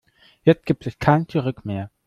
Jetzt gibt es kein Zurück mehr.